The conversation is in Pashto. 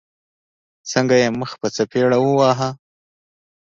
څنګه يې مخ په څپېړو واهه.